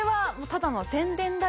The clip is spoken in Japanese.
ただの宣伝か？